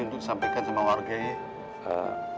untuk sampaikan sama warga ya